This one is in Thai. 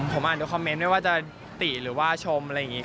ผมอ่านดูคอมเมนต์ไม่ว่าจะติหรือว่าชมอะไรอย่างนี้